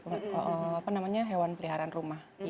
apa namanya hewan peliharaan rumah